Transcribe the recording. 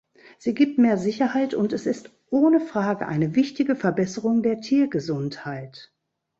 Sie gibt mehr Sicherheit, und es ist ohne Frage eine wichtige Verbesserung der Tiergesundheit.